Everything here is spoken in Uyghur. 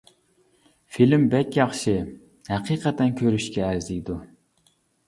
فىلىم بەك ياخشى، ھەقىقەتەن كۆرۈشكە ئەرزىيدۇ.